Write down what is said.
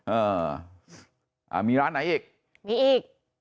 อ่ามีร้านไหนอีกมีอีก